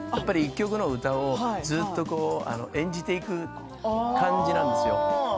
１曲の歌をずっと演じていく感じなんですよね。